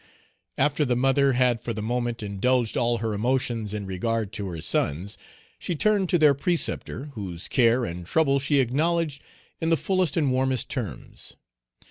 After the mother had for the moment indulged all her emotions in regard Page 173 to her sons, she turned to their preceptor, whose care and trouble she acknowledged in the fullest and warmest terms.